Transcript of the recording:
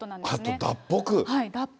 あと、脱北？